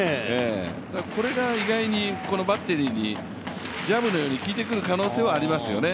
これが意外にこのバッテリーにジャブのように効いてくる可能性はありますよね。